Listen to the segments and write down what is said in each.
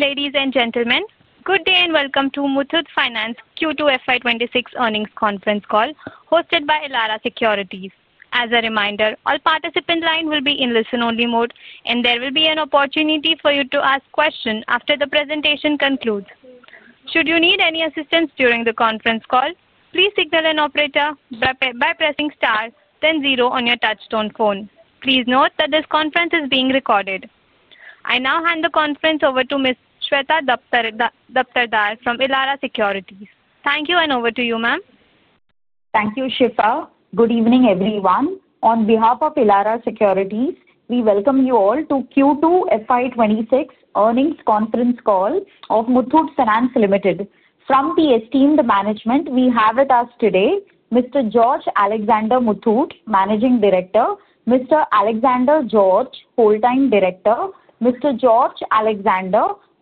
Ladies and gentlemen, good day and welcome to Muthoot Finance Q2 FY2026 earnings conference call, hosted by Elara Securities. As a reminder, all participants' lines will be in listen-only mode, and there will be an opportunity for you to ask questions after the presentation concludes. Should you need any assistance during the conference call, please signal an operator by pressing star, then zero on your touchstone phone. Please note that this conference is being recorded. I now hand the conference over to Ms. Shweta Daptardar from Elara Securities. Thank you, and over to you, ma'am. Thank you, Shweta. Good evening, everyone. On behalf of Elara Securities, we welcome you all to Q2 FY2026 earnings conference call of Muthoot Finance Limited. From the esteemed management, we have with us today Mr. George Alexander Muthoot, Managing Director; Mr. Alexander George, Full-Time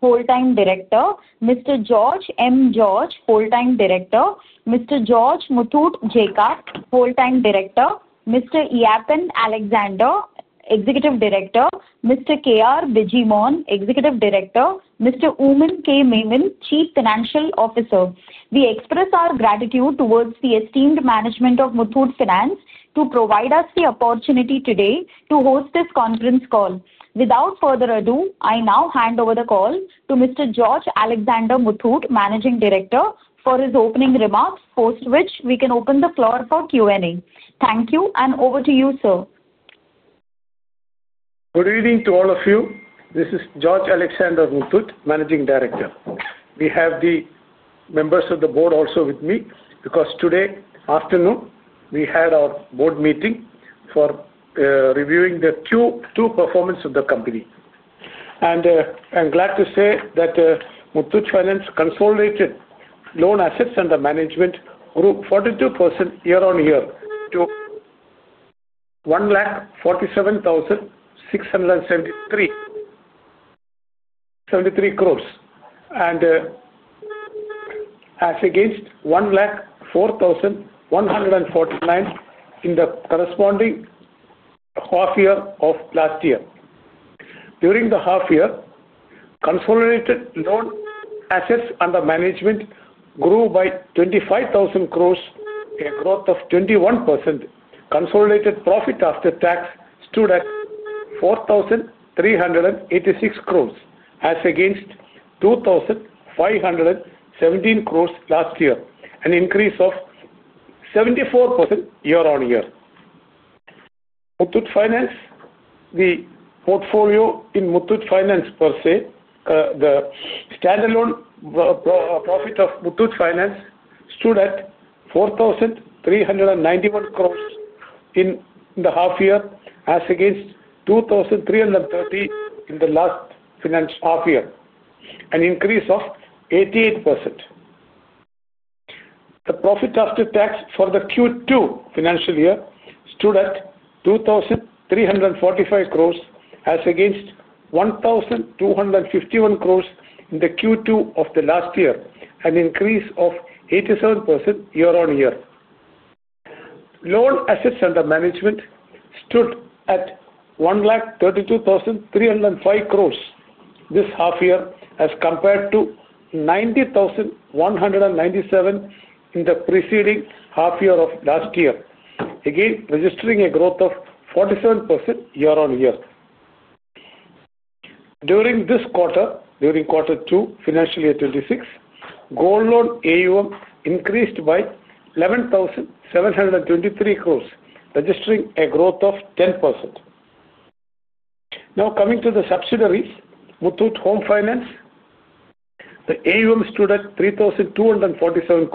Director; Mr. George M. George, Full-Time Director; Mr. George Muthoot Jaikat, Full-Time Director; Mr. Eapen Alexander, Executive Director; Mr. K. R. Bijimon, Executive Director; Mr. Oommen K. Mammen, Chief Financial Officer. We express our gratitude towards the esteemed management of Muthoot Finance for providing us the opportunity today to host this conference call. Without further ado, I now hand over the call to Mr. George Alexander Muthoot, Managing Director, for his opening remarks, post which we can open the floor for Q&A. Thank you, and over to you, sir. Good evening to all of you. This is George Alexander Muthoot, Managing Director. We have the members of the board also with me because today afternoon we had our board meeting for reviewing the Q2 performance of the company. I'm glad to say that Muthoot Finance consolidated loan assets under management grew 42% year-on-year to 1,47,673 crore against 1,04,149 crore in the corresponding half-year of last year. During the half-year, consolidated loan assets under management grew by 25,000 crore, a growth of 21%. Consolidated profit after tax stood at 4,386 crore as against 2,517 crore last year, an increase of 74% year-on-year. The portfolio in Muthoot Finance per se, the standalone profit of Muthoot Finance stood at 4,391 crore in the half-year as against 2,330 crore in the last financial half-year, an increase of 88%. The profit after tax for the Q2 financial year stood at 2,345 crore as against 1,251 crore in the Q2 of the last year, an increase of 87% year-on-year. Loan assets under management stood at 132,305 crore this half-year as compared to 90,197 crore in the preceding half-year of last year, again registering a growth of 47% year-on-year. During this quarter, during Q2 financial year 2026, Gold Loan AUM increased by 11,723 crore, registering a growth of 10%. Now coming to the subsidiaries, Muthoot Homefinance, the AUM stood at 3,247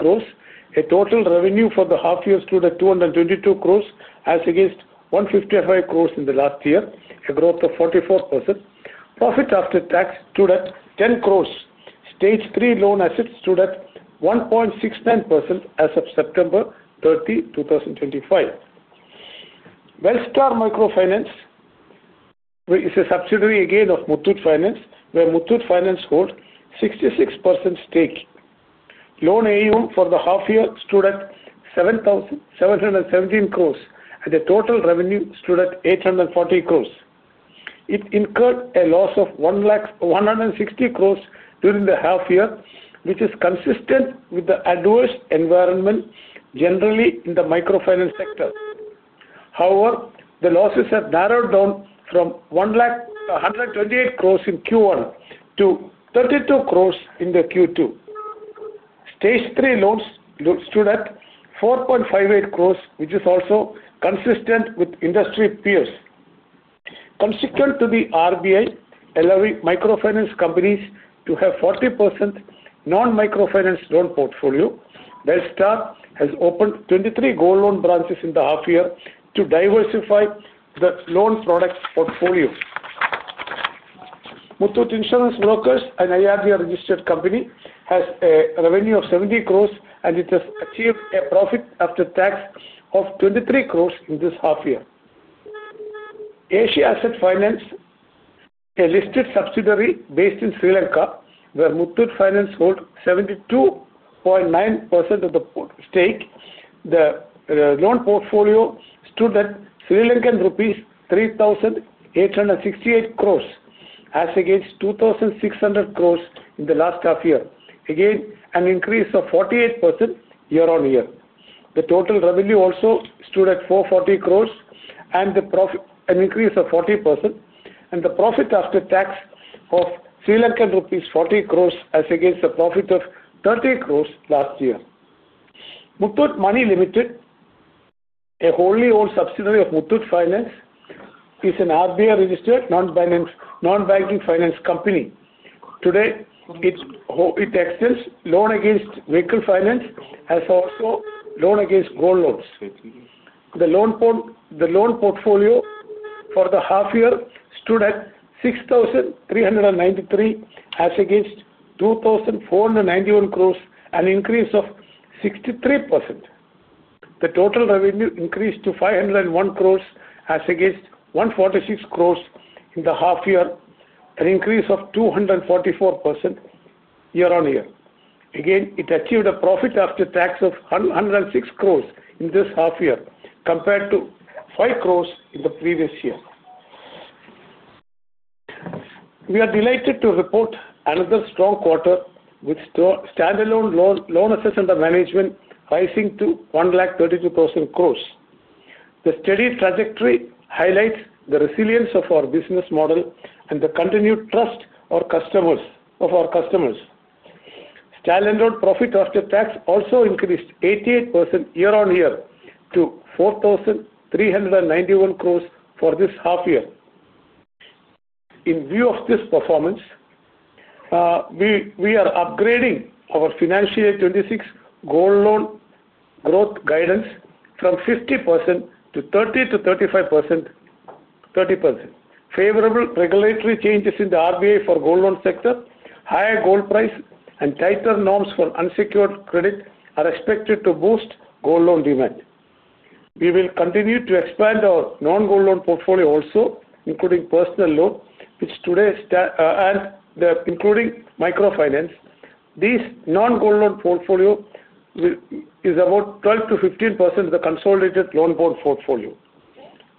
crore. Total revenue for the half-year stood at 222 crore as against 155 crore in the last year, a growth of 44%. Profit after tax stood 10 crore. stage III loan assets stood at 1.69% as of September 30, 2025. Belstar Microfinance is a subsidiary again of Muthoot Finance, where Muthoot Finance holds 66% stake. Loan AUM for the half-year stood at 7,717 crore, and the total revenue stood at 840 crore. It incurred a loss of 160 crore during the half-year, which is consistent with the adverse environment generally in the microfinance sector. However, the losses have narrowed down from 128 crore in Q1 to 32 crore in Q2. Stage III loans stood at 4.58 crore, which is also consistent with industry peers. Consistent to the RBI allowing microfinance companies to have 40% non-microfinance loan portfolio, Belstar has opened 23 Gold Loan branches in the half-year to diversify the loan product portfolio. Muthoot Insurance Brokers, an IRDA-registered company, has a revenue of 70 crore, and it has achieved a profit after tax of 23 crore in this half-year. Asia Asset Finance, a listed subsidiary based in Sri Lanka, where Muthoot Finance holds 72.9% of the stake, the loan portfolio stood at LKR 3,868 crore as against LKR 2,600 crore in the last half-year, again an increase of 48% year-on-year. The total revenue also stood at LKR 440 crore and an increase of 40%, and the profit after tax of LKR 40 crore as against the profit of LKR 30 crore last year. Muthoot Money Limited, a wholly owned subsidiary of Muthoot Finance, is an RBI-registered non-banking finance company. Today, it extends loan against vehicle finance as well as loan against gold loans. The loan portfolio for the half-year stood at 6,393 crore as against 2,491 crore, an increase of 63%. The total revenue increased to 501 crore as against 146 crore in the half-year, an increase of 244% year-on-year. Again, it achieved a profit after tax of 106 crore in this half-year to 5 crore in the previous year. We are delighted to report another strong quarter with standalone loan assets under management rising to 132,000 crore. The steady trajectory highlights the resilience of our business model and the continued trust of our customers. Standalone profit after tax also increased 88% year-on-year to INR 4,391 crore for this half-year. In view of this performance, we are upgrading our financial year 2026 Gold Loan growth guidance from 30% to 35%. Favorable regulatory changes in the RBI for Gold Loan sector, higher gold price, and tighter norms for unsecured credit are expected to boost Gold Loan demand. We will continue to expand our non-Gold Loan portfolio also, including personal loan, which today and including microfinance. This non-Gold Loan portfolio is about 12%-15% of the consolidated loan portfolio.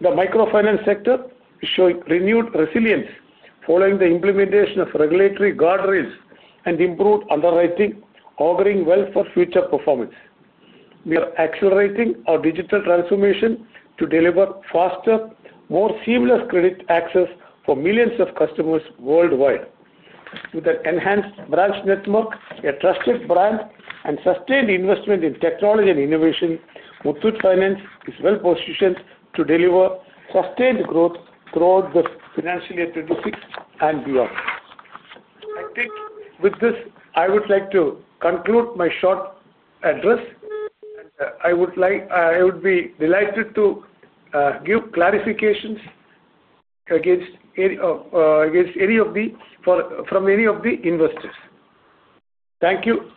The microfinance sector is showing renewed resilience following the implementation of regulatory guardrails and improved underwriting, auguring well for future performance. We are accelerating our digital transformation to deliver faster, more seamless credit access for millions of customers worldwide. With an enhanced branch network, a trusted brand, and sustained investment in technology and innovation, Muthoot Finance is well positioned to deliver sustained growth throughout the financial year 2026 and beyond. With this, I would like to conclude my short address, and I would be delighted to give clarifications against any of the from any of the investors. Thank you.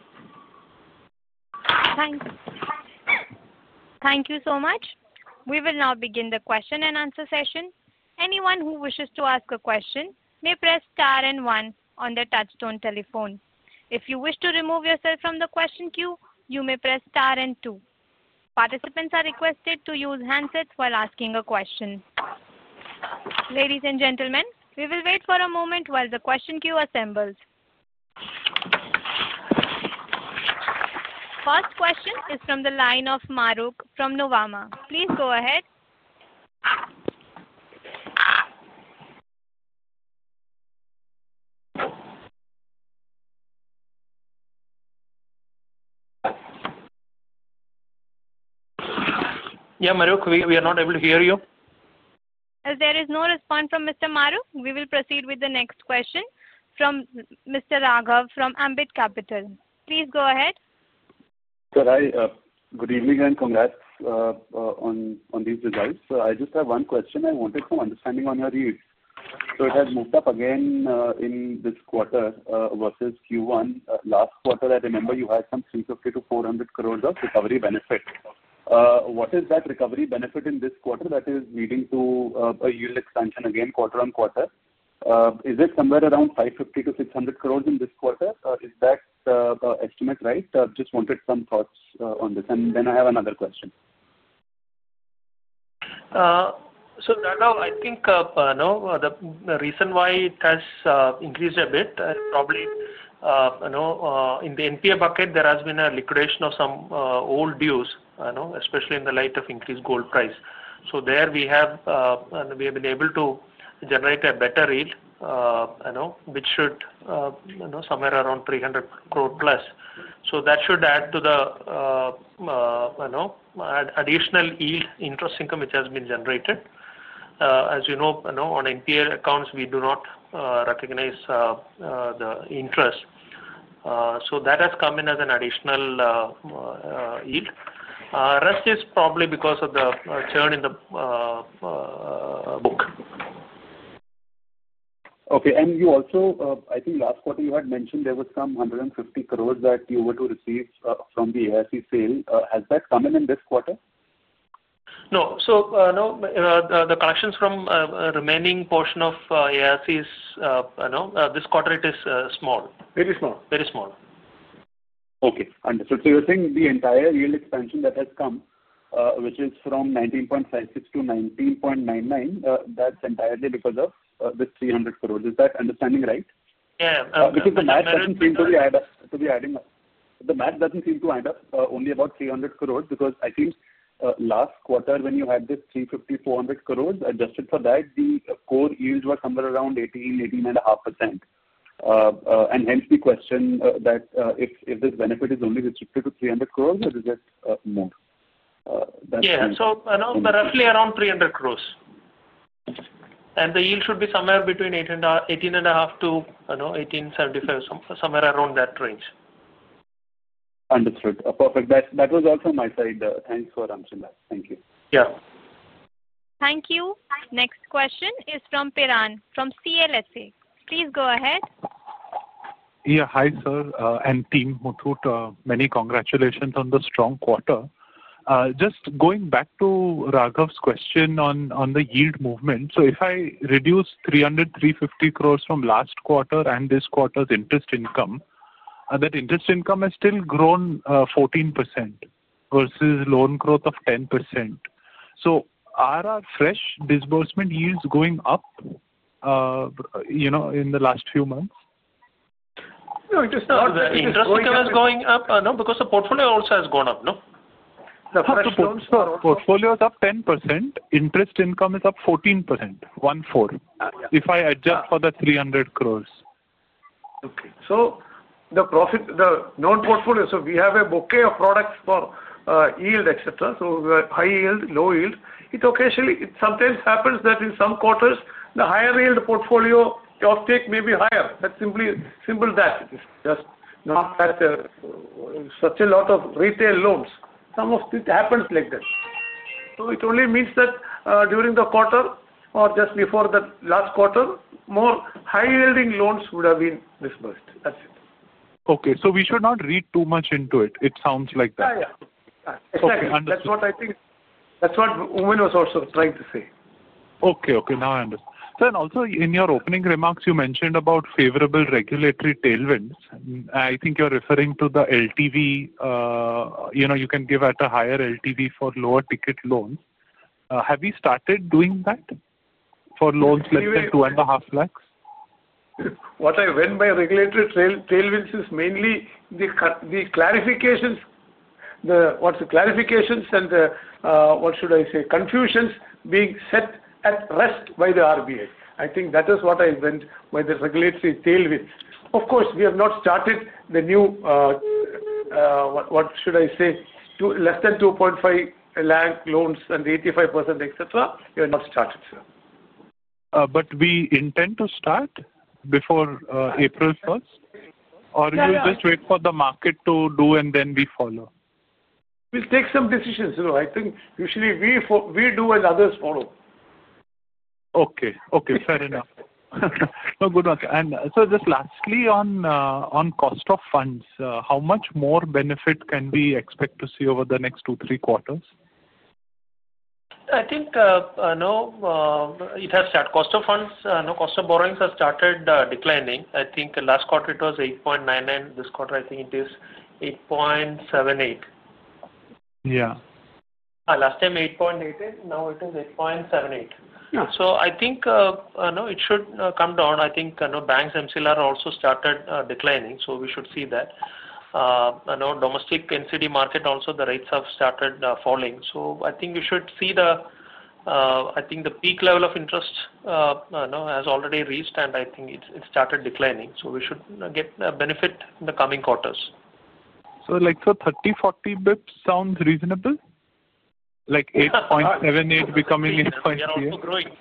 Thank you so much. We will now begin the question and answer session. Anyone who wishes to ask a question may press star and one on the touchstone telephone. If you wish to remove yourself from the question queue, you may press star and two. Participants are requested to use handsets while asking a question. Ladies and gentlemen, we will wait for a moment while the question queue assembles. First question is from the line of Mahrukh from Nuvama. Please go ahead. Yeah, Mahrukh, we are not able to hear you. As there is no response from Mr. Mahrukh, we will proceed with the next question from Mr. Raghav from Ambit Capital. Please go ahead. Sir, good evening and congrats on these results. I just have one question. I wanted some understanding on your yields. So it has moved up again in this quarter versus Q1. Last quarter, I remember you had some 350- 400 crore of recovery benefit. What is that recovery benefit in this quarter that is leading to a yield expansion again quarter on quarter? Is it somewhere around 550- 600 crore in this quarter? Is that estimate right? Just wanted some thoughts on this. And then I have another question. I think the reason why it has increased a bit is probably in the NPA bucket, there has been a liquidation of some old dues, especially in the light of increased gold price. There we have and we have been able to generate a better yield, which should be somewhere around 300 crore plus. That should add to the additional yield interest income which has been generated. As you know, on NPA accounts, we do not recognize the interest. That has come in as an additional yield. The rest is probably because of the churn in the book. Okay. You also, I think last quarter, you had mentioned there was some 150 crore that you were to receive from the ARC sale. Has that come in in this quarter? No. So the collections from remaining portion of ARC is this quarter, it is small. Very small. Very small. Okay. Understood. So you're saying the entire yield expansion that has come, which is from 19.56% to 19.99%, that's entirely because of the 300 crore. Is that understanding right? Yeah. Because the math doesn't seem to be adding up. The math doesn't seem to add up only about 300 crore because I think last quarter when you had 350 crore-400 crore adjusted for that, the core yields were somewhere around 18%-18.5%. Hence the question that if this benefit is only restricted to 300 crore or is it more? Yeah. So roughly around 300 crore. The yield should be somewhere between 18.5%-18.75%, somewhere around that range. Understood. Perfect. That was all from my side. Thanks for answering that. Thank you. Yeah. Thank you. Next question is from Piran from CLSA. Please go ahead. Yeah. Hi, sir. And team, Muthoot, many congratulations on the strong quarter. Just going back to Raghav's question on the yield movement, if I reduce 300 350 crore from last quarter and this quarter's interest income, that interest income has still grown 14% versus loan growth of 10%. Are our fresh disbursement yields going up in the last few months? No. Just interest income is going up because the portfolio also has gone up. The portfolio is up 10%. Interest income is up 14%, one-fourth, if I adjust for the 300 crore. Okay. So the profit, the known portfolio, so we have a bouquet of products for yield, etc. So we have high yield, low yield. It occasionally sometimes happens that in some quarters, the higher yield portfolio offtake may be higher. That's simply that. It's just not that such a lot of retail loans. Some of it happens like that. It only means that during the quarter or just before the last quarter, more high-yielding loans would have been disbursed. That's it. Okay. So we should not read too much into it. It sounds like that. Yeah. Yeah. Okay. Understood. That's what I think that's what Oommen was also trying to say. Okay. Okay. Now I understand. Sir, and also in your opening remarks, you mentioned about favorable regulatory tailwinds. I think you're referring to the LTV. You can give at a higher LTV for lower ticket loans. Have we started doing that for loans less than 250,000? What I meant by regulatory tailwinds is mainly the clarifications, what is the clarifications and what should I say, confusions being set at rest by the RBI. I think that is what I meant by the regulatory tailwinds. Of course, we have not started the new, what should I say, less than 250,000 loans and 85%, etc. We have not started, sir. Do we intend to start before April 1st? Or do we just wait for the market to do and then we follow? We'll take some decisions. I think usually we do and others follow. Okay. Okay. Fair enough. Good. And sir, just lastly on cost of funds, how much more benefit can we expect to see over the next two-three quarters? I think it has started. Cost of funds, cost of borrowings has started declining. I think last quarter it was 8.99%. This quarter, I think it is 8.78%. Yeah. Last time 8.88%. Now it is 8.78%. I think it should come down. I think banks themselves are also started declining. We should see that. Domestic NCD market, also the rates have started falling. I think the peak level of interest has already reached and I think it started declining. We should get benefit in the coming quarters. Like 30-40 basis points sounds reasonable? Like 8.78% becoming 8.38%?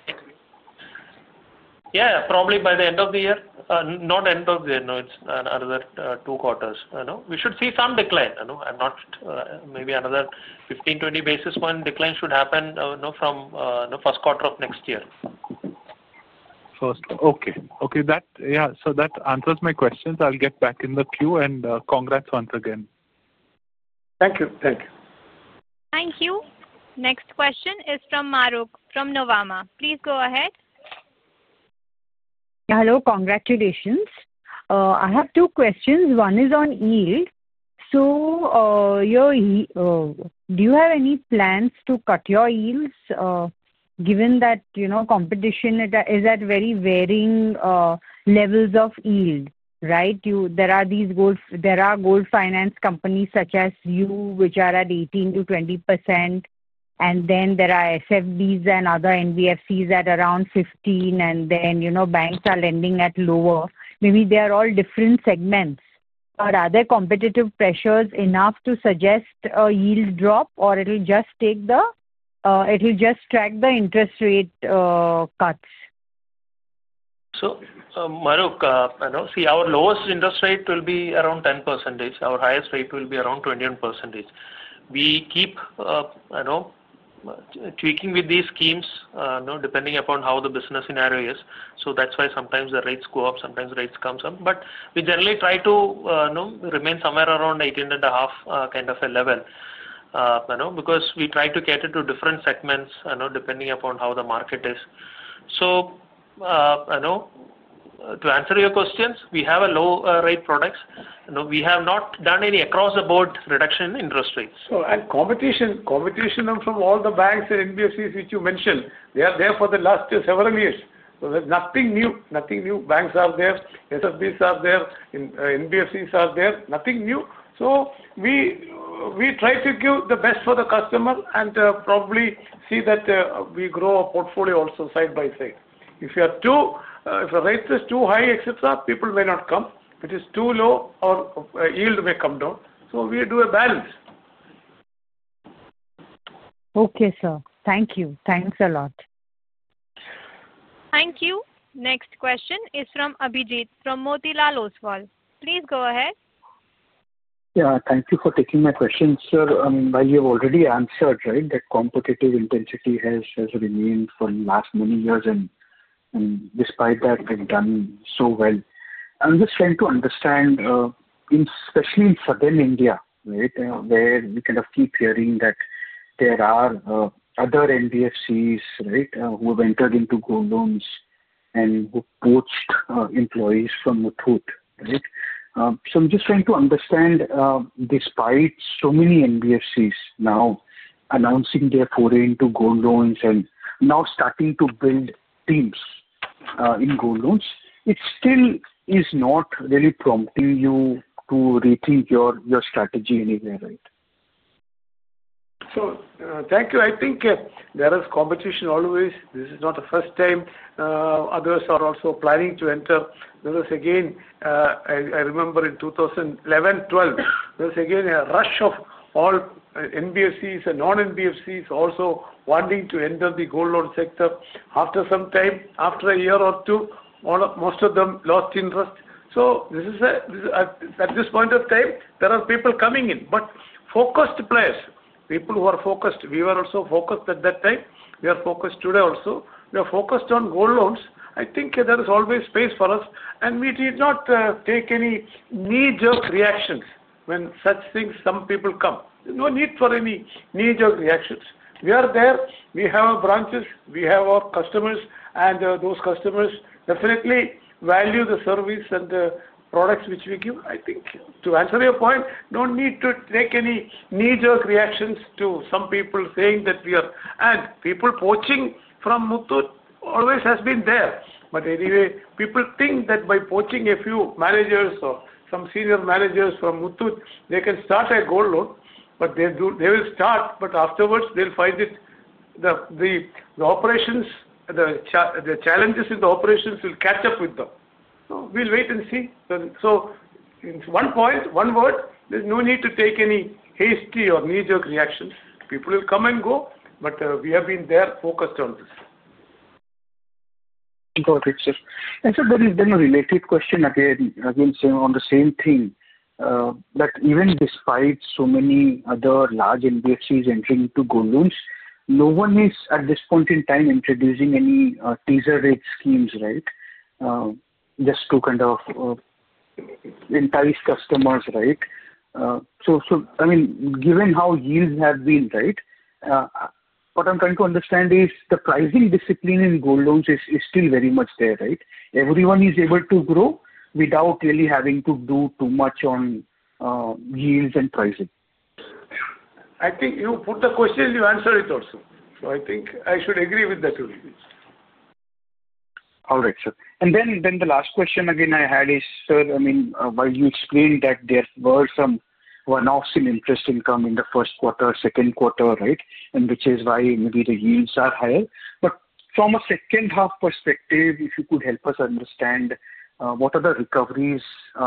Yeah. Probably by the end of the year. Not end of the year. It's another two quarters. We should see some decline. Maybe another 15-20 basis point decline should happen from first quarter of next year. First quarter. Okay. Okay. Yeah. So that answers my questions. I'll get back in the queue and congrats once again. Thank you. Thank you. Thank you. Next question is from Mahrukh from Nuvama. Please go ahead. Hello. Congratulations. I have two questions. One is on yield. Do you have any plans to cut your yields given that competition is at very varying levels of yield, right? There are gold finance companies such as you, which are at 18%-20%. Then there are SFBs and other NBFCs at around 15%. Then banks are lending at lower. Maybe they are all different segments. Are there competitive pressures enough to suggest a yield drop or it will just track the interest rate cuts? Mahrukh, see, our lowest interest rate will be around 10%. Our highest rate will be around 21%. We keep tweaking with these schemes depending upon how the business scenario is. That is why sometimes the rates go up, sometimes rates come up. We generally try to remain somewhere around 18.5% kind of a level because we try to cater to different segments depending upon how the market is. To answer your questions, we have low-rate products. We have not done any across-the-board reduction in interest rates. Competition from all the banks and NBFCs which you mentioned, they are there for the last several years. There is nothing new. Nothing new. Banks are there. SFBs are there. NBFCs are there. Nothing new. We try to give the best for the customer and probably see that we grow a portfolio also side by side. If the rate is too high, etc., people may not come. If it is too low, our yield may come down. So we do a balance. Okay, sir. Thank you. Thanks a lot. Thank you. Next question is from Abhijit from Motilal Oswal. Please go ahead. Yeah. Thank you for taking my question, sir. I mean, while you've already answered, right, that competitive intensity has remained for the last many years. And despite that, we've done so well. I'm just trying to understand, especially in Southern India, right, where we kind of keep hearing that there are other NBFCs who have entered into gold loans and who poached employees from Muthoot, right? I'm just trying to understand, despite so many NBFCs now announcing their foray into gold loans and now starting to build teams in gold loans, it still is not really prompting you to rethink your strategy anywhere, right? Thank you. I think there is competition always. This is not the first time. Others are also planning to enter. There is, again, I remember in 2011, 2012, there was again a rush of all NBFCs and non-NBFCs also wanting to enter the gold loan sector. After some time, after a year or two, most of them lost interest. At this point of time, there are people coming in. Focused players, people who are focused, we were also focused at that time. We are focused today also. We are focused on gold loans. I think there is always space for us. We did not take any knee-jerk reactions when such things, some people come. No need for any knee-jerk reactions. We are there. We have branches. We have our customers. Those customers definitely value the service and the products which we give. I think to answer your point, no need to take any knee-jerk reactions to some people saying that we are. People poaching from Muthoot always has been there. Anyway, people think that by poaching a few managers or some senior managers from Muthoot, they can start a gold loan. They will start, but afterwards, they will find that the operations, the challenges in the operations will catch up with them. We will wait and see. It is one point, one word. There is no need to take any hasty or knee-jerk reactions. People will come and go. We have been there, focused on this. Got it, sir. Sir, there is then a related question again, saying on the same thing. Even despite so many other large NBFCs entering into gold loans, no one is at this point in time introducing any teaser rate schemes, right, just to kind of entice customers, right? I mean, given how yields have been, right, what I'm trying to understand is the pricing discipline in gold loans is still very much there, right? Everyone is able to grow without really having to do too much on yields and pricing. I think you put the question, you answered it also. I think I should agree with that a little bit. All right, sir. Then the last question again I had is, sir, I mean, while you explained that there were some one-offs in interest income in the first quarter, second quarter, right, which is why maybe the yields are higher. From a second-half perspective, if you could help us understand what are the recoveries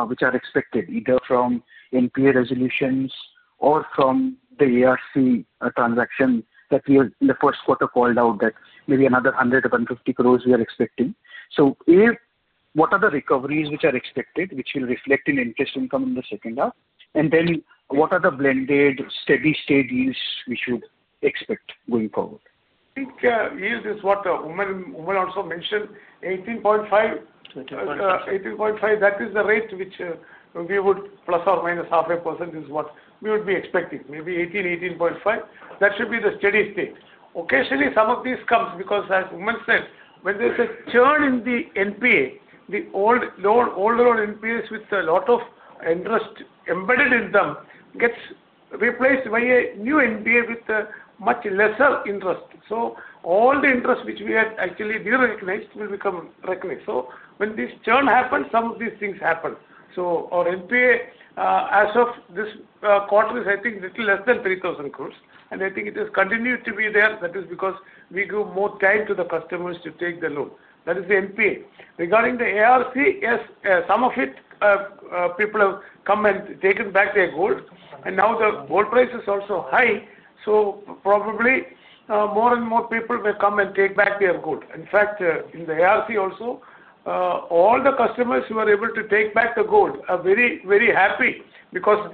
which are expected, either from NPA resolutions or from the ARC transaction that we in the first quarter called out that 100 crore-inr 150 crore we are expecting. What are the recoveries which are expected which will reflect in interest income in the second half? What are the blended steady-state yields we should expect going forward? I think yield is what Oommen also mentioned, 18.5%. 18.5%. 18.5%. That is the rate which we would, ±0.5%, is what we would be expecting. Maybe 18%-18.5%. That should be the steady-state. Occasionally, some of these comes because, as Oommen said, when there is a churn in the NPA, the old loan NPAs with a lot of interest embedded in them gets replaced by a new NPA with much lesser interest. All the interest which we had actually deregularized will become recognized. When this churn happens, some of these things happen. Our NPA as of this quarter is, I think, little less than 3000 crore. i think it has continued to be there. That is because we give more time to the customers to take the loan. That is the NPA. Regarding the ARC, yes, some of it, people have come and taken back their gold. Now the gold price is also high. Probably more and more people will come and take back their gold. In fact, in the ARC also, all the customers who are able to take back the gold are very, very happy because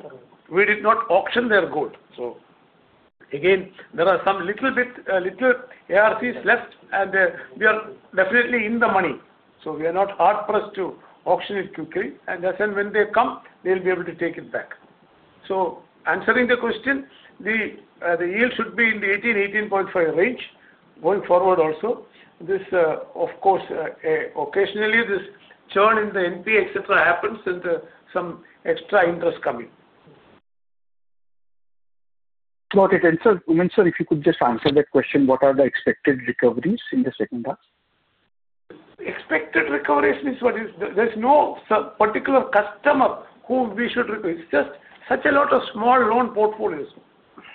we did not auction their gold. There are some little bit ARCs left, and we are definitely in the money. We are not hard-pressed to auction it quickly. As and when they come, they'll be able to take it back. Answering the question, the yield should be in the 18%-18.5% range going forward also. This, of course, occasionally this churn in the NPA, etc., happens and some extra interest coming. Got it. Sir, Oommen, sir, if you could just answer that question, what are the expected recoveries in the second half? Expected recovery is what is, there's no particular customer who we should recover. It's just such a lot of small loan portfolios.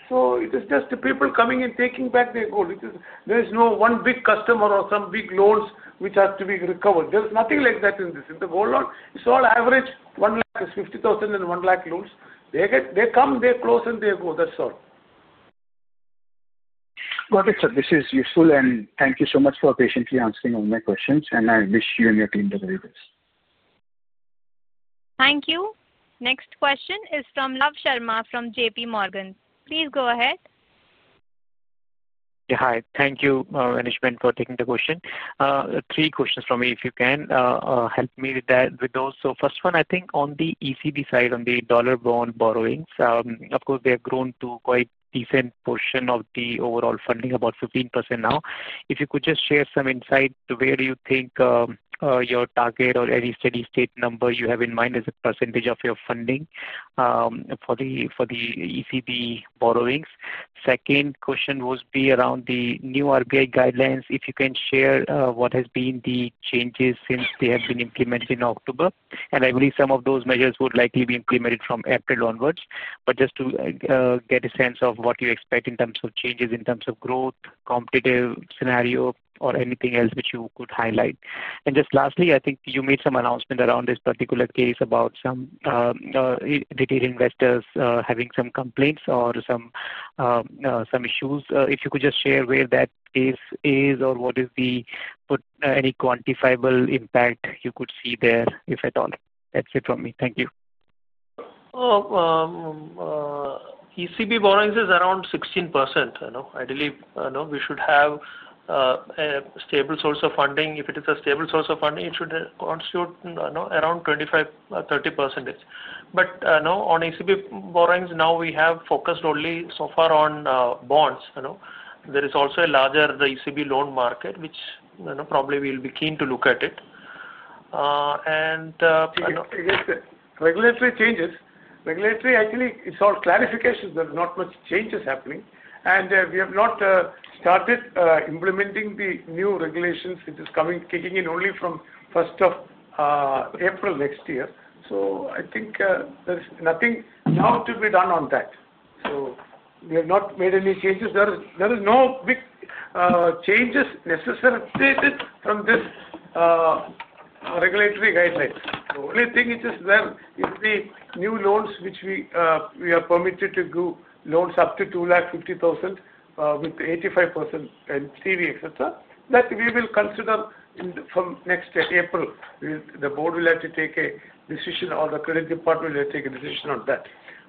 So it is just people coming and taking back their gold. There is no one big customer or some big loans which have to be recovered. There's nothing like that in this. In the gold loan, it's all average 150,000, and 100,000 loans. They come, they close, and they go. That's all. Got it, sir. This is useful. Thank you so much for patiently answering all my questions. I wish you and your team the very best. Thank you. Next question is from Love Sharma from JPMorgan. Please go ahead. Yeah. Hi. Thank you, management, for taking the question. Three questions from me, if you can. Help me with those. So first one, I think on the ECB side, on the dollar-bond borrowings, of course, they have grown to quite a decent portion of the overall funding, about 15% now. If you could just share some insight, where do you think your target or any steady-state number you have in mind as a percentage of your funding for the ECB borrowings? Second question would be around the new RBI guidelines. If you can share what has been the changes since they have been implemented in October. And I believe some of those measures would likely be implemented from April onwards. Just to get a sense of what you expect in terms of changes, in terms of growth, competitive scenario, or anything else which you could highlight. Just lastly, I think you made some announcement around this particular case about some retail investors having some complaints or some issues. If you could just share where that case is or what is the any quantifiable impact you could see there, if at all. That's it from me. Thank you. ECB borrowings is around 16%. I believe we should have a stable source of funding. If it is a stable source of funding, it should constitute around 25%-30%. On ECB borrowings, now we have focused only so far on bonds. There is also a larger ECB loan market, which probably we'll be keen to look at. Yes, yes. Regulatory changes. Regulatory, actually, it's all clarifications. There's not much change that's happening. We have not started implementing the new regulations. It is coming, kicking in only from 1st of April next year. I think there is nothing now to be done on that. We have not made any changes. There are no big changes necessary from this regulatory guidelines. The only thing which is there is the new loans which we are permitted to do, loans up to 250,000 with 85% NCV, etc., that we will consider from next April. The board will have to take a decision or the credit department will take a decision on that.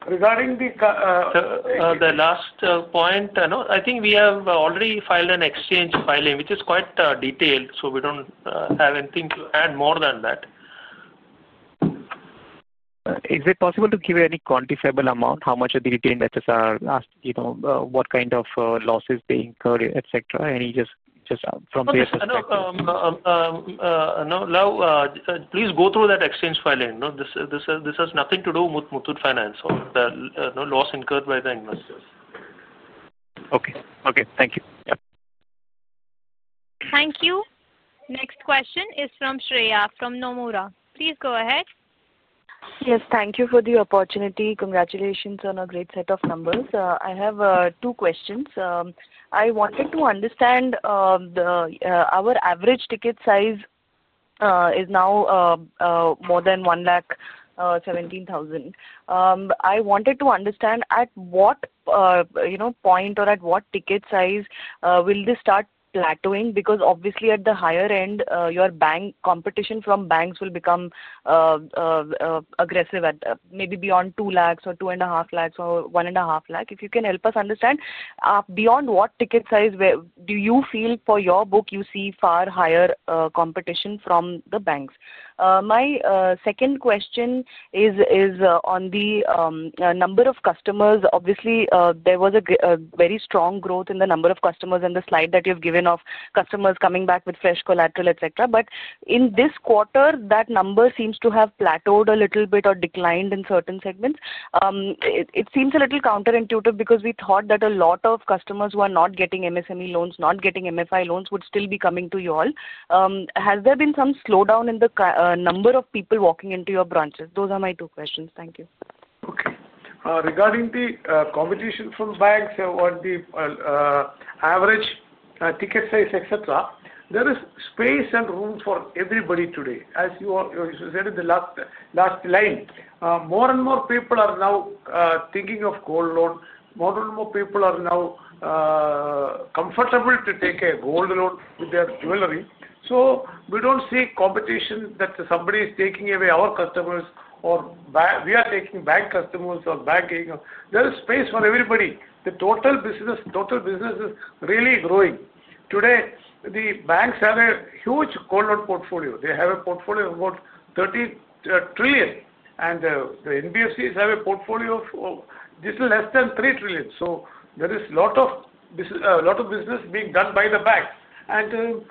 Regarding the. Sir, the last point, I think we have already filed an exchange filing, which is quite detailed. So we do not have anything to add more than that. Is it possible to give any quantifiable amount? How much are the retained assets, or asked? What kind of losses they incur, etc.? Any, just from basic to. No, please go through that exchange filing. This has nothing to do with Muthoot Finance or the loss incurred by the investors. Okay. Okay. Thank you. Thank you. Next question is from Shreya from Nomura. Please go ahead. Yes. Thank you for the opportunity. Congratulations on a great set of numbers. I have two questions. I wanted to understand our average ticket size is now more than 117,000. I wanted to understand at what point or at what ticket size will this start plateauing? Because obviously, at the higher end, your competition from banks will become aggressive at maybe beyond 200,000 or 250,000 or 150,000. If you can help us understand, beyond what ticket size do you feel for your book you see far higher competition from the banks? My second question is on the number of customers. Obviously, there was a very strong growth in the number of customers in the slide that you've given of customers coming back with fresh collateral, etc. In this quarter, that number seems to have plateaued a little bit or declined in certain segments. It seems a little counterintuitive because we thought that a lot of customers who are not getting MSME loans, not getting MFI loans, would still be coming to you all. Has there been some slowdown in the number of people walking into your branches? Those are my two questions. Thank you. Okay. Regarding the competition from banks or the average ticket size, etc., there is space and room for everybody today. As you said in the last line, more and more people are now thinking of gold loan. More and more people are now comfortable to take a gold loan with their jewelry. We do not see competition that somebody is taking away our customers or we are taking bank customers or banking. There is space for everybody. The total business is really growing. Today, the banks have a huge gold loan portfolio. They have a portfolio of about 13 trillion. The NBFCs have a portfolio of little less than 3 trillion. There is a lot of business being done by the bank.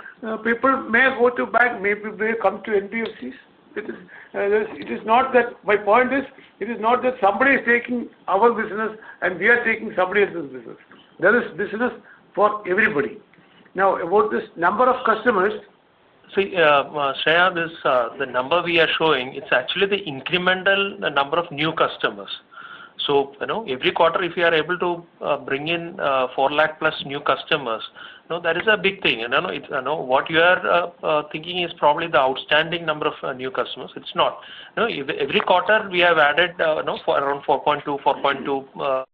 People may go to bank, maybe they come to NBFCs. It is not that, my point is, it is not that somebody is taking our business and we are taking somebody else's business. There is business for everybody. Now, about this number of customers. Shreya, the number we are showing, it's actually the incremental number of new customers. Every quarter, if you are able to bring in 400,000+ new customers, that is a big thing. What you are thinking is probably the outstanding number of new customers. It's not. Every quarter, we have added around 420,000, 420,000.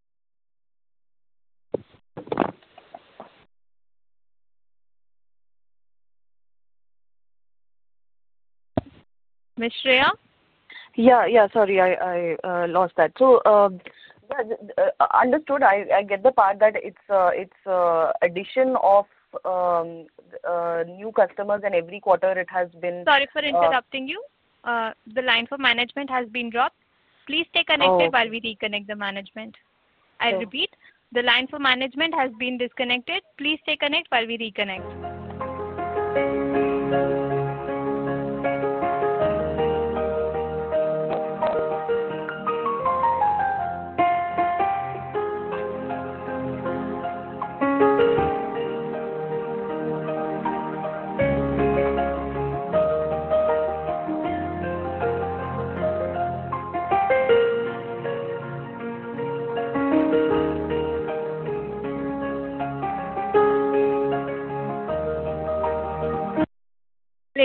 Ms. Shreya? Yeah. Yeah. Sorry, I lost that. Understood. I get the part that it's addition of new customers and every quarter it has been. Sorry for interrupting you. The line for management has been dropped. Please stay connected while we reconnect the management. I repeat, the line for management has been disconnected. Please stay connected while we reconnect.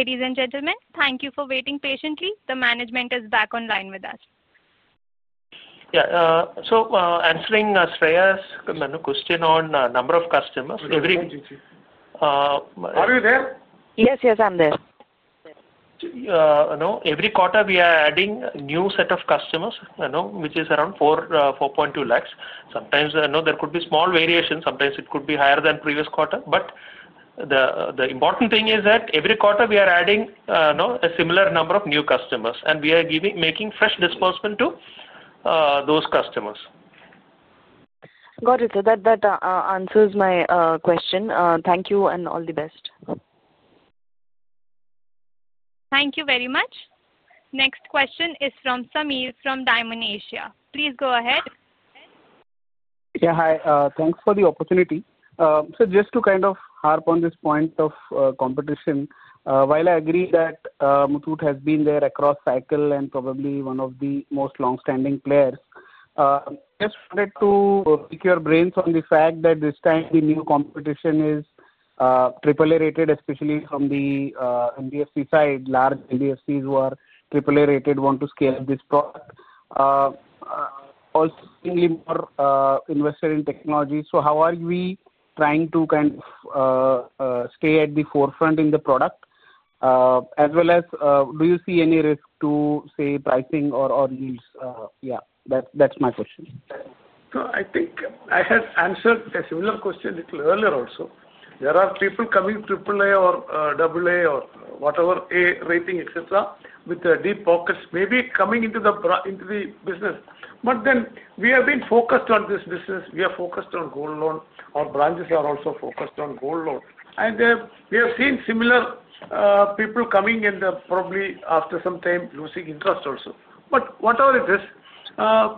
Ladies and gentlemen, thank you for waiting patiently. The management is back online with us. Yeah. So answering Shreya's question on number of customers. Are you there? Yes, yes. I'm there. Every quarter, we are adding a new set of customers, which is around 420,000. Sometimes there could be small variation. Sometimes it could be higher than the previous quarter. The important thing is that every quarter, we are adding a similar number of new customers. We are making fresh disbursement to those customers. Got it. So that answers my question. Thank you and all the best. Thank you very much. Next question is from Sameer from Dymon Asia. Please go ahead. Yeah. Hi. Thanks for the opportunity. Just to kind of harp on this point of competition, while I agree that Muthoot has been there across cycle and probably one of the most long-standing players, just wanted to pick your brains on the fact that this time the new competition is AAA rated, especially from the NBFC side. Large NBFCs who are AAA rated want to scale this product. Also, seemingly more invested in technology. How are we trying to kind of stay at the forefront in the product? As well as, do you see any risk to, say, pricing or yields? Yeah. That's my question. I think I had answered a similar question a little earlier also. There are people coming, AAA or AA or whatever A rating, etc., with a deep focus, maybe coming into the business. We have been focused on this business. We are focused on gold loan. Our branches are also focused on gold loan. We have seen similar people coming and probably after some time losing interest also. Whatever it is,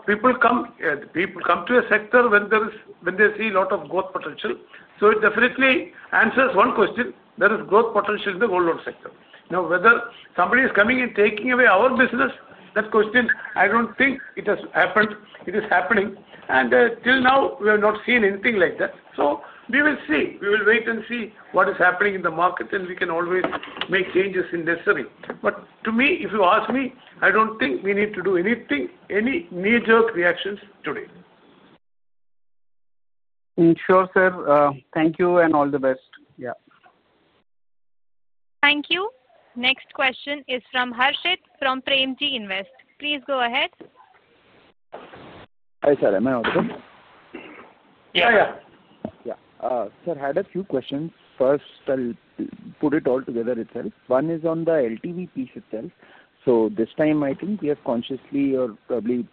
people come to a sector when they see a lot of growth potential. It definitely answers one question. There is growth potential in the gold loan sector. Now, whether somebody is coming and taking away our business, that question, I do not think it has happened. It is happening. Till now, we have not seen anything like that. We will see. We will wait and see what is happening in the market, and we can always make changes if necessary. To me, if you ask me, I do not think we need to do anything, any knee-jerk reactions today. Sure, sir. Thank you and all the best. Yeah. Thank you. Next question is from Harshit from Premji Invest. Please go ahead. Hi, sir. Am I audible? Yeah. Yeah. Yeah. Sir, I had a few questions. First, I'll put it all together itself. One is on the LTV piece itself. This time, I think we have consciously or probably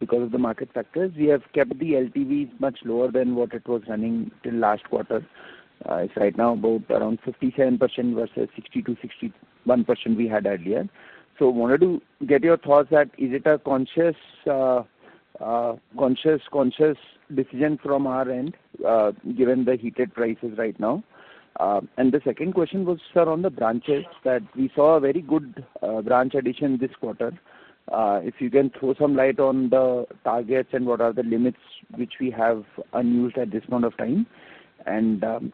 because of the market factors, we have kept the LTV much lower than what it was running till last quarter. It's right now about around 57% versus 60%-61% we had earlier. Wanted to get your thoughts, is it a conscious decision from our end given the heated prices right now? The second question was, sir, on the branches, we saw a very good branch addition this quarter. If you can throw some light on the targets and what are the limits which we have unused at this point of time.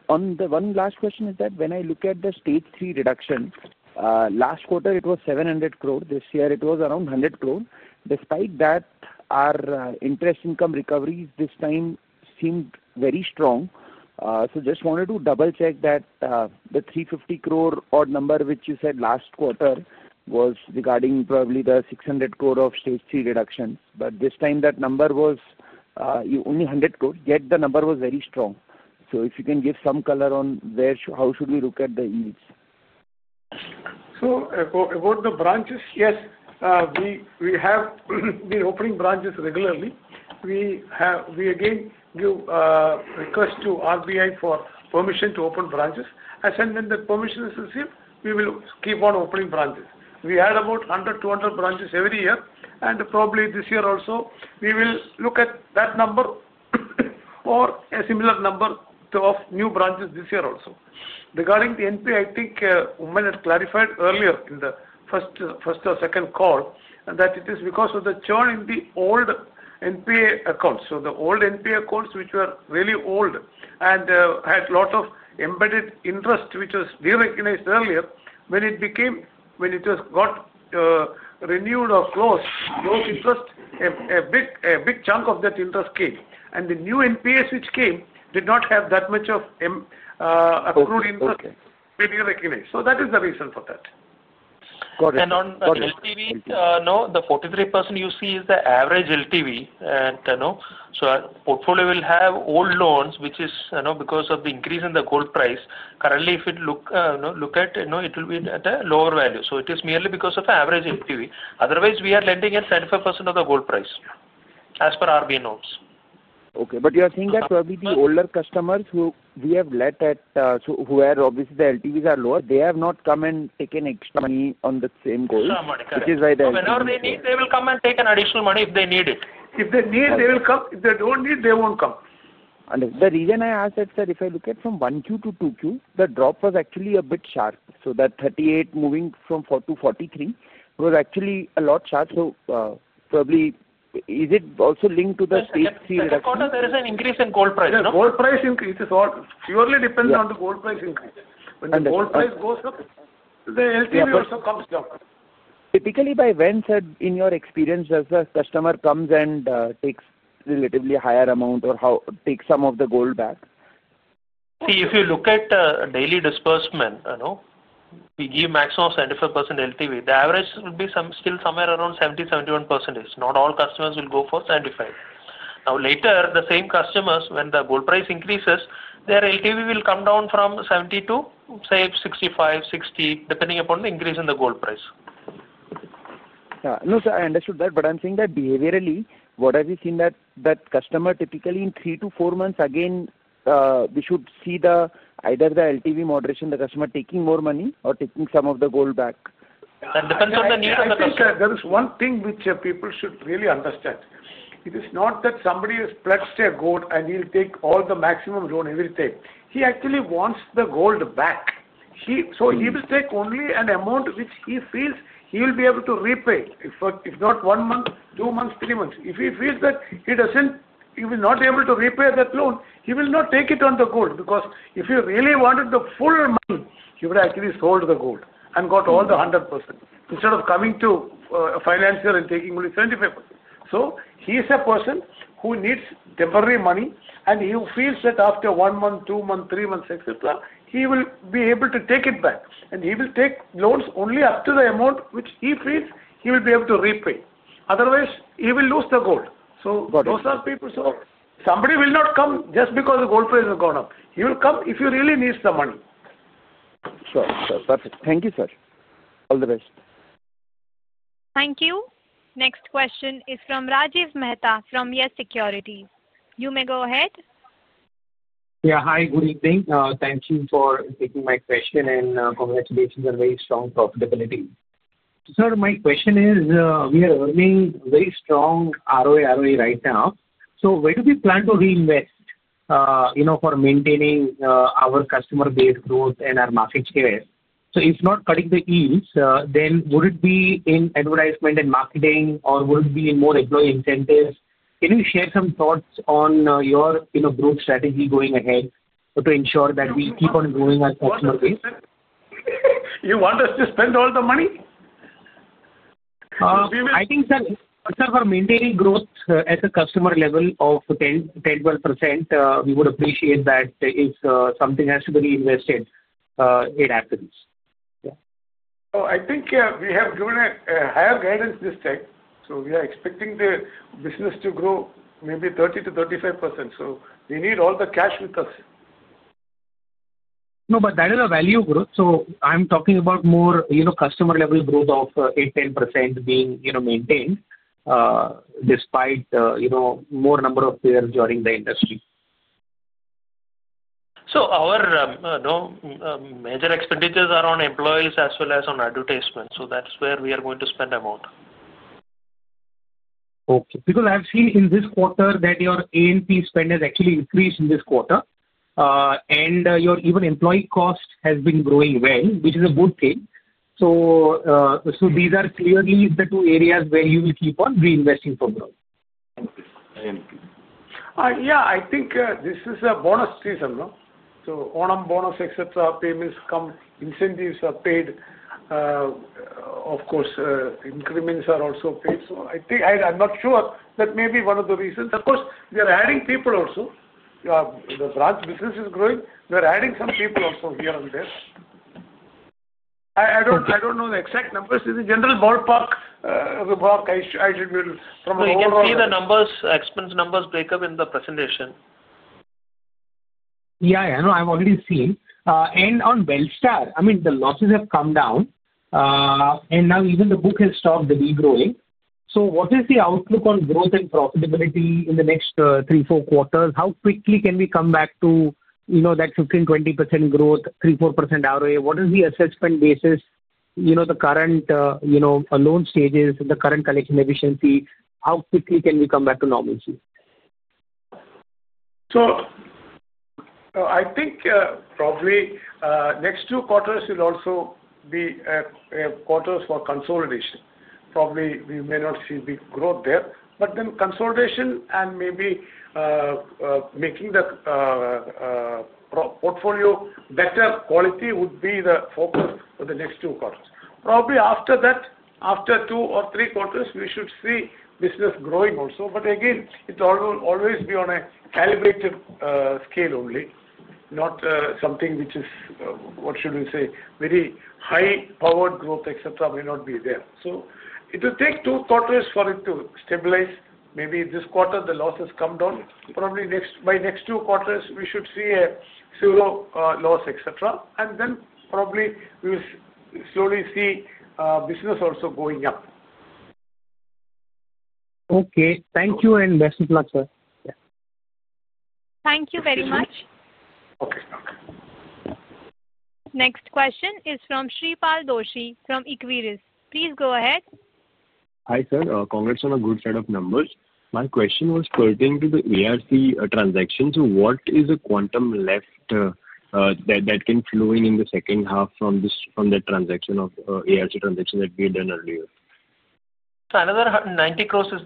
One last question is that when I look at the stage III reduction, last quarter it was 700 crore. This year it was 100 crore. despite that, our interest income recoveries this time seemed very strong. Just wanted to double-check that 350 crore odd number which you said last quarter was regarding probably the 600 crore of stage III reduction. This time that number was 100 crore. yet the number was very strong. If you can give some color on how should we look at the yields? About the branches, yes. We have been opening branches regularly. We again give request to RBI for permission to open branches. As soon as the permission is received, we will keep on opening branches. We had about 100-200 branches every year. Probably this year also, we will look at that number or a similar number of new branches this year also. Regarding the NPA, I think Oommen had clarified earlier in the first or second call that it is because of the churn in the old NPA accounts. The old NPA accounts which were really old and had a lot of embedded interest which was deregularized earlier, when it was got renewed or closed, those interests, a big chunk of that interest came. The new NPAs which came did not have that much of accrued interest to be deregularized. That is the reason for that. Got it. On LTV, the 43% you see is the average LTV. The portfolio will have old loans which is because of the increase in the gold price. Currently, if you look at it, it will be at a lower value. It is merely because of the average LTV. Otherwise, we are lending at 75% of the gold price as per RBI notes. Okay. You are saying that probably the older customers who we have let at, who are obviously the LTVs are lower, they have not come and taken extra money on the same gold, which is why they. If they need, they will come and take additional money if they need it. If they need, they will come. If they don't need, they won't come. The reason I asked that, sir, if I look at from 1Q to 2Q, the drop was actually a bit sharp. That 38% moving from 4% to 43% was actually a lot sharp. Probably is it also linked to the stage III reduction? In the second quarter, there is an increase in gold price. It is all purely depends on the gold price increase. When the gold price goes up, the LTV also comes down. Typically, by when, sir, in your experience, does the customer come and take relatively higher amount or take some of the gold back? See, if you look at daily disbursement, we give maximum of 75% LTV. The average will be still somewhere around 70%-71%. Not all customers will go for 75%. Now, later, the same customers, when the gold price increases, their LTV will come down from 70% to, say, 65%, 60%, depending upon the increase in the gold price. Yeah. No, sir, I understood that. I am saying that behaviorally, what have you seen that customer typically in 3-4 months, again, we should see either the LTV moderation, the customer taking more money or taking some of the gold back? That depends on the need of the customer. See, sir, there is one thing which people should really understand. It is not that somebody has pledged gold and he'll take all the maximum loan every day. He actually wants the gold back. He will take only an amount which he feels he will be able to repay. If not one month, two months, three months. If he feels that he will not be able to repay that loan, he will not take it on the gold. Because if he really wanted the full money, he would actually have sold the gold and got all the 100% instead of coming to financial and taking only 75%. He is a person who needs temporary money, and he feels that after one month, two months, three months, etc., he will be able to take it back. He will take loans only up to the amount which he feels he will be able to repay. Otherwise, he will lose the gold. Those are people. Somebody will not come just because the gold price has gone up. He will come if he really needs the money. Sure. Sure. Perfect. Thank you, sir. All the best. Thank you. Next question is from Rajiv Mehta from YES SECURITIES. You may go ahead. Yeah. Hi. Good evening. Thank you for taking my question. And congratulations on very strong profitability. Sir, my question is we are earning very strong ROI, ROE right now. Where do we plan to reinvest for maintaining our customer base growth and our market share? If not cutting the yields, then would it be in advertisement and marketing, or would it be in more employee incentives? Can you share some thoughts on your growth strategy going ahead to ensure that we keep on growing our customer base? You want us to spend all the money? I think that, sir, for maintaining growth at the customer level of 10%-12%, we would appreciate that if something has to be reinvested, it happens. Yeah. I think we have given a higher guidance this time. We are expecting the business to grow maybe 30%-35%. We need all the cash with us. No, but that is a value growth. I'm talking about more customer-level growth of 8%-10% being maintained despite more number of players joining the industry. Our major expenditures are on employees as well as on advertisement. That's where we are going to spend amount. Okay. Because I've seen in this quarter that your AUM spend has actually increased in this quarter. And your even employee cost has been growing well, which is a good thing. So these are clearly the two areas where you will keep on reinvesting for growth. Yeah. I think this is a bonus season. So on-arm bonus, etc., payments come, incentives are paid. Of course, increments are also paid. I'm not sure. That may be one of the reasons. Of course, we are adding people also. The branch business is growing. We are adding some people also here and there. I don't know the exact numbers. It's a general ballpark. I will from a ballpark. You can see the expense numbers break up in the presentation. Yeah. I know. I've already seen. On Belstar, I mean, the losses have come down. Now even the book has stopped the degrowing. What is the outlook on growth and profitability in the next three-four quarters? How quickly can we come back to that 15%-20% growth, 3%-4% ROE? What is the assessment basis, the current loan stages, the current collection efficiency? How quickly can we come back to normalcy? I think probably next two quarters will also be quarters for consolidation. Probably we may not see big growth there. Consolidation and maybe making the portfolio better quality would be the focus for the next two quarters. Probably after that, after two or three quarters, we should see business growing also. Again, it will always be on a calibrated scale only, not something which is, what should we say, very high-powered growth, etc., may not be there. It will take two quarters for it to stabilize. Maybe this quarter, the losses come down. Probably by next two quarters, we should see a zero loss, etc. Then probably we will slowly see business also going up. Okay. Thank you and best of luck, sir. Thank you very much. Okay. Okay. Next question is from Shreepal Doshi from Equirus. Please go ahead. Hi, sir. Congrats on a good set of numbers. My question was pertaining to the ARC transaction. What is the quantum left that came flowing in the second half from the transaction of ARC transaction that we had done earlier? another 90 crore is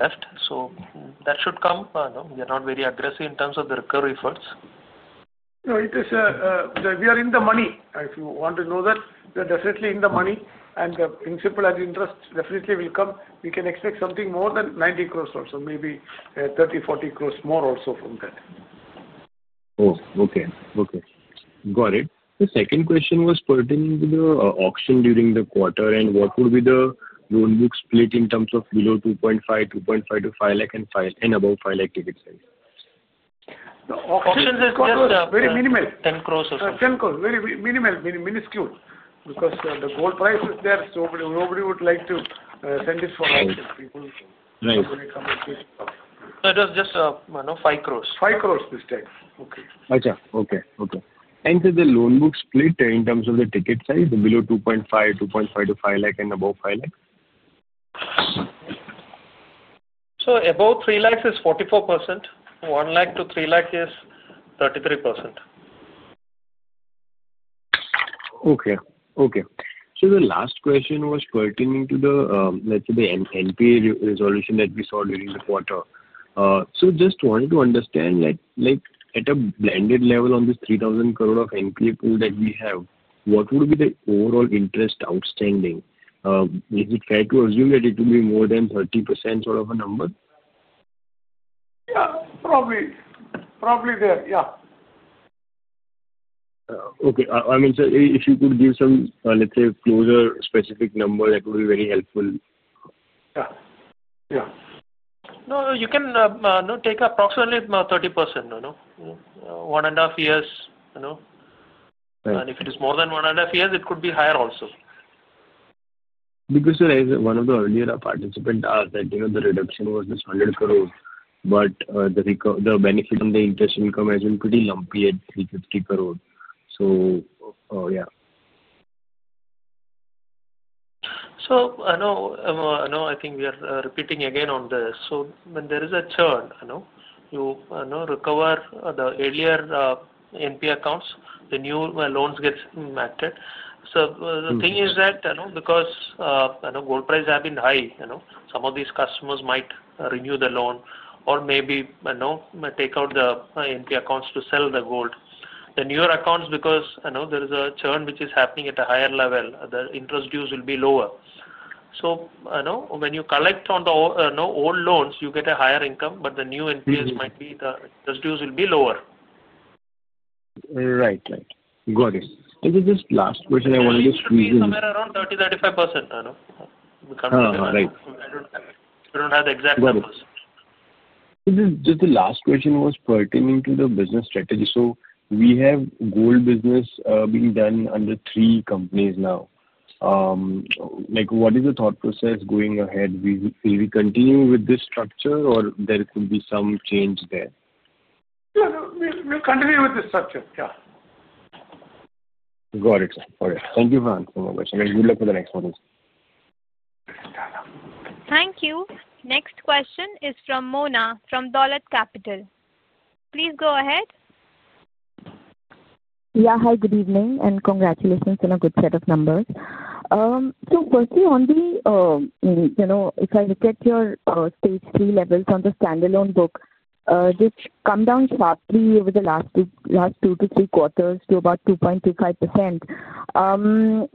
left. So that should come. We are not very aggressive in terms of the recovery funds. No, it is a we are in the money. If you want to know that, we are definitely in the money. The principal and interest definitely will come. We can expect something more than 90 crore also. Maybe 30 crore-40 crore more also from that. Oh, okay. Okay. Got it. The second question was pertaining to the auction during the quarter. What would be the loan book split in terms of below 250,000, 250,000-500,000, and above 500,000 ticket size? Auction is just very minimal. 10 crore or something. 10 crore. very minimal, minuscule. Because the gold price is there. Nobody would like to send this for auction. People will come and take. It was just 5 crore 5 crore this time. Okay. Okay. Okay. And the loan book split in terms of the ticket size, below 250,000- 500,000 and above 500,000? Above 300,000 is 44%. 100,000-300,000 is 33%. Okay. Okay. The last question was pertaining to the, let's say, the NPA resolution that we saw during the quarter. Just wanted to understand that at a blended level on 3000 crore of NPA pool that we have, what would be the overall interest outstanding? Is it fair to assume that it will be more than 30% sort of a number? Yeah, probably there. Yeah. Okay. I mean, sir, if you could give some, let's say, closer specific number, that would be very helpful. Yeah. Yeah. No, you can take approximately 30%. One and a half years. If it is more than one and a half years, it could be higher also. Because, sir, as one of the earlier participants said, the reduction was this 100 crore. the benefit on the interest income has been pretty lumpy 350 crore. so yeah. I think we are repeating again on this. When there is a churn, you recover the earlier NPA accounts, the new loans get matched. The thing is that because gold prices have been high, some of these customers might renew the loan or maybe take out the NPA accounts to sell the gold. The newer accounts, because there is a churn which is happening at a higher level, the interest dues will be lower. When you collect on the old loans, you get a higher income, but the new NPAs might be the interest dues will be lower. Right. Right. Got it. This is just last question I wanted to squeeze in. Somewhere around 30%-35%. We can't say. We don't have the exact numbers. Just the last question was pertaining to the business strategy. So we have gold business being done under three companies now. What is the thought process going ahead? Will we continue with this structure or there could be some change there? We'll continue with this structure. Yeah. Got it. All right. Thank you for answering my question. Good luck for the next one. Thank you. Next question is from Mona from Dolat Capital. Please go ahead. Yeah. Hi. Good evening. Congratulations on a good set of numbers. Firstly, if I look at your stage III levels on the standalone book, which have come down sharply over the last 2-3 quarters to about 2.25%,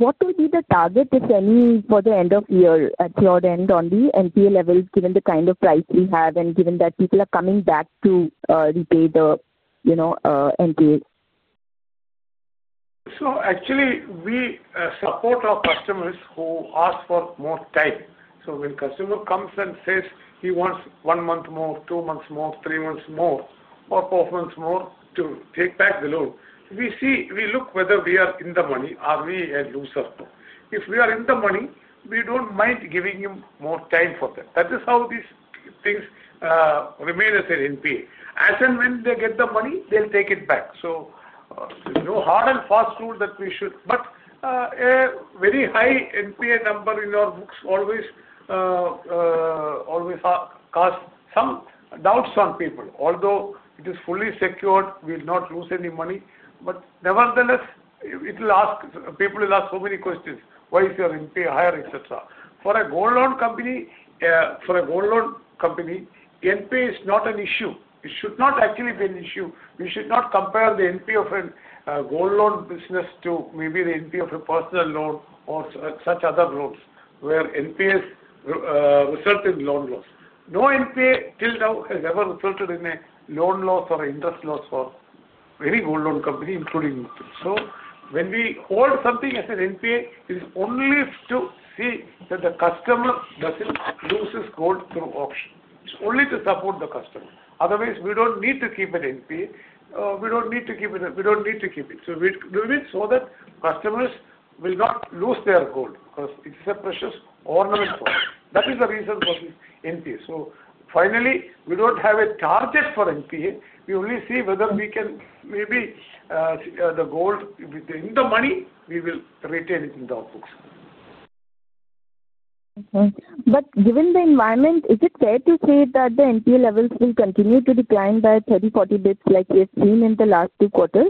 what will be the target, if any, for the end of year at your end on the NPA levels, given the kind of price we have and given that people are coming back to repay the NPA? Actually, we support our customers who ask for more time. When a customer comes and says he wants one month more, two months more, three months more, or four months more to take back the loan, we look whether we are in the money or we are a loser. If we are in the money, we do not mind giving him more time for that. That is how these things remain as an NPA. As and when they get the money, they will take it back. There is no hard and fast rule that we should. A very high NPA number in our books always causes some doubts on people. Although it is fully secured, we will not lose any money. Nevertheless, people will ask so many questions. Why is your NPA higher, etc.? For a gold loan company, NPA is not an issue. It should not actually be an issue. We should not compare the NPA of a gold loan business to maybe the NPA of a personal loan or such other loans where NPAs result in loan loss. No NPA till now has ever resulted in a loan loss or interest loss for any gold loan company, including NPA. When we hold something as an NPA, it is only to see that the customer does not lose his gold through auction. It is only to support the customer. Otherwise, we do not need to keep an NPA. We do not need to keep it. We do it so that customers will not lose their gold because it is a precious ornament for them. That is the reason for this NPA. Finally, we do not have a target for NPA. We only see whether we can maybe the gold within the money, we will retain it in the books. Okay. Given the environment, is it fair to say that the NPA levels will continue to decline by 30-40 basis points like we have seen in the last two quarters?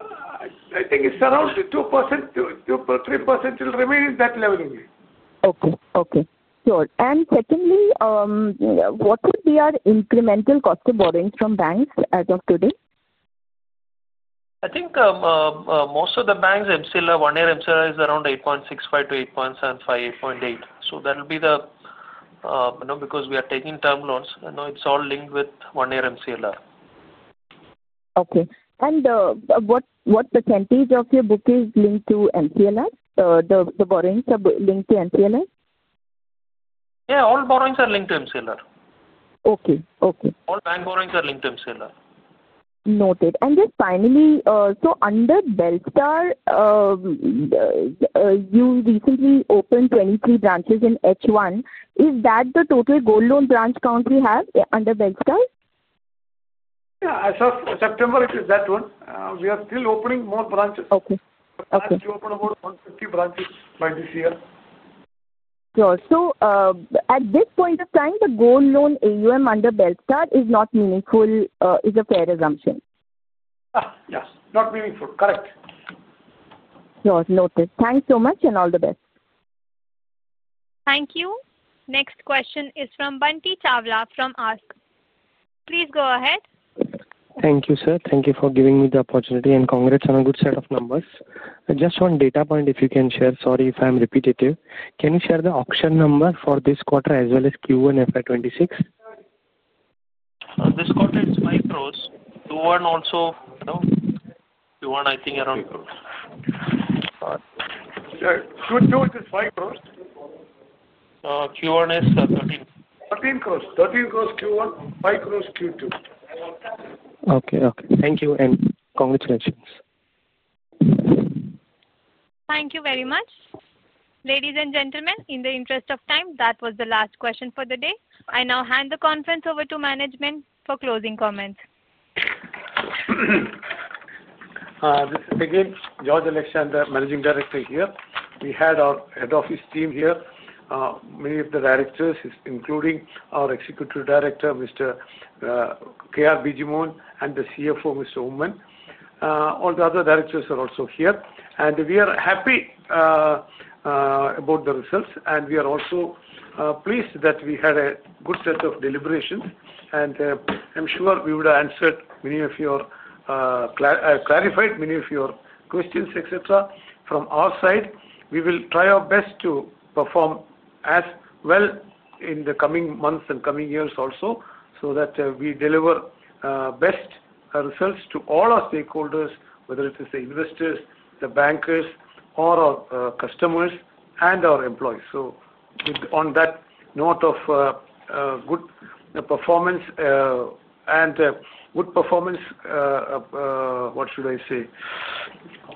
I think it's around 2%-3% will remain in that level only. Okay. Okay. Sure. Secondly, what would be our incremental cost of borrowing from banks as of today? I think most of the banks' MCLR, one-year MCLR is around 8.65%-8.75%, 8.8%. That will be the, because we are taking term loans, it's all linked with one-year MCLR. Okay. What percentage of your book is linked to MCLR? The borrowings are linked to MCLR? Yeah. All borrowings are linked to MCLR. Okay. Okay. All bank borrowings are linked to MCLR. Noted. And just finally, so under Belstar, you recently opened 23 branches in H1. Is that the total gold loan branch count we have under Belstar? Yeah. As of September, it is that one. We are still opening more branches. Okay. Okay. We have to open about 150 branches by this year. Sure. At this point of time, the gold loan AUM under Belstar is not meaningful. Is that a fair assumption? Yes. Not meaningful. Correct. Sure. Noted. Thanks so much and all the best. Thank you. Next question is from Bunty Chawla from ASK. Please go ahead. Thank you, sir. Thank you for giving me the opportunity and congrats on a good set of numbers. Just one data point, if you can share. Sorry if I'm repetitive. Can you share the auction number for this quarter as well as Q1 FY2026? This is 5 crore. q1 also. Q1, I think around. Q2 is 5 crore. Q1 is 13 crore 13 crore INR Q1, 5 crore Q2. Okay. Okay. Thank you and congratulations. Thank you very much. Ladies and gentlemen, in the interest of time, that was the last question for the day. I now hand the conference over to management for closing comments. Again, George Alexander Muthoot, the Managing Director here. We had our head office team here. Many of the directors, including our Executive Director, Mr. K. R. Bijimon, and the CFO, Mr. Oommen. All the other directors are also here. We are happy about the results. We are also pleased that we had a good set of deliberations. I'm sure we would have answered many of your, clarified many of your questions, etc. From our side, we will try our best to perform as well in the coming months and coming years also so that we deliver best results to all our stakeholders, whether it is the investors, the bankers, or our customers and our employees. On that note of good performance and good performance, what should I say?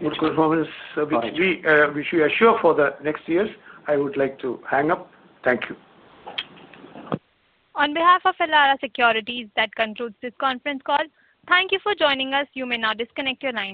Good performance, which we assure for the next years, I would like to hang up. Thank you. On behalf of Elara Securities, that concludes this conference call. Thank you for joining us. You may now disconnect your line.